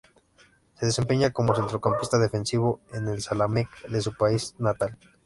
Se desempeña como centrocampista defensivo en el Zamalek de su país natal.